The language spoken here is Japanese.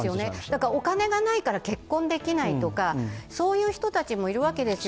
お金がないから結婚できないという人たちもいるわけですよ。